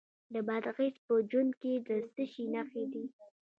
د بادغیس په جوند کې د څه شي نښې دي؟